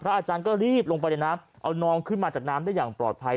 อาจารย์ก็รีบลงไปในน้ำเอาน้องขึ้นมาจากน้ำได้อย่างปลอดภัย